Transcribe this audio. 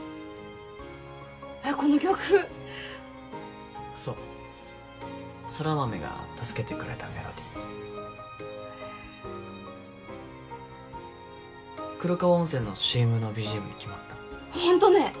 えっこの曲そう空豆が助けてくれたメロディー黒川温泉のＣＭのＢＧＭに決まったホントね？